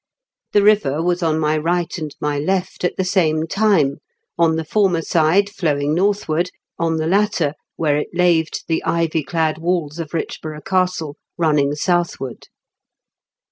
The river was on my right and my left at the same time, on the former side flowing northward, on the latter, where it laved the ivy clad walls of Eichborough Castle, running southward.